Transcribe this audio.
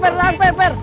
per per per per